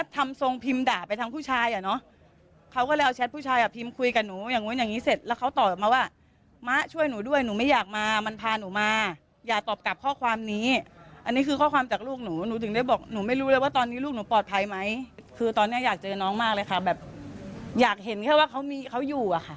ถ้าลูกพิมพ์กลับมาหาหนูหนูไม่เห็นหน้าลูกหนูเลย